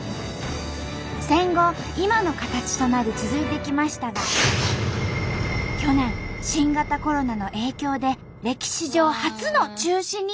戦後今の形となり続いてきましたが去年新型コロナの影響で歴史上初の中止に。